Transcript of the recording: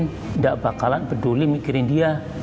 tidak bakalan peduli mikirin dia